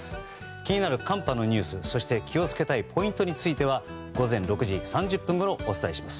気になる寒波のニュースそして気を付けたいポイントについては午前６時３０分ごろお伝えします。